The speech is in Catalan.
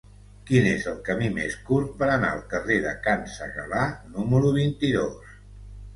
Quin és el camí més curt per anar al carrer de Can Segalar número vint-i-dos?